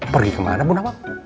pergi kemana bu nawang